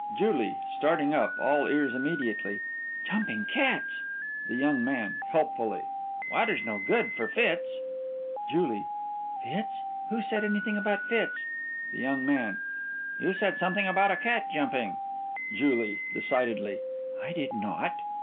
JULIE: (Starting up, all ears immediately) Jumping cats! THE YOUNG MAN: (Helpfully) Water's no good for fits. JULIE: Fits! Who said anything about fits! THE YOUNG MAN: You said something about a cat jumping. JULIE: (Decidedly) I did not!